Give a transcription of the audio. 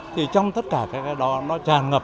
thì trong tất cả cái đó nó tràn ngập